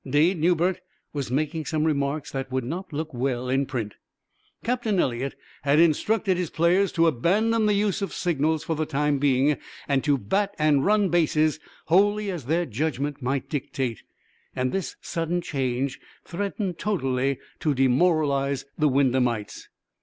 Dade Newbert was making some remarks that would not look well in print. Captain Eliot had instructed his players to abandon the use of signals for the time being, and to bat and run bases wholly as their judgment might dictate, and this sudden change threatened totally to demoralize the Wyndhamites.